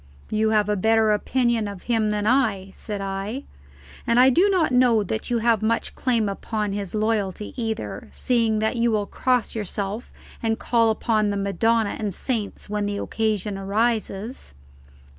"You have a better opinion of him than I," said I; "and I do not know that you have much claim upon his loyalty either, seeing that you will cross yourself and call upon the Madonna and saints when the occasion arises."